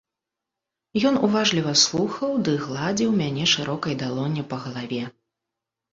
Ён уважліва слухаў ды гладзіў мяне шырокай далонню па галаве.